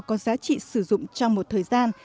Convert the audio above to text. có giá trị sử dụng trong một thời gian